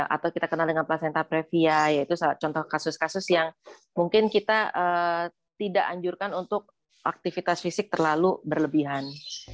atau kita kenal dengan placenta previa yaitu contoh kasus kasus yang mungkin kita tidak anjurkan untuk aktivitas fisik terlalu berlebihan